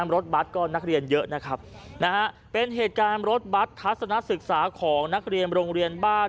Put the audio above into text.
รถบัตรก็นักเรียนเยอะนะครับนะฮะเป็นเหตุการณ์รถบัตรทัศนศึกษาของนักเรียนโรงเรียนบ้าน